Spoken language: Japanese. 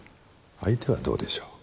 相手はどうでしょう。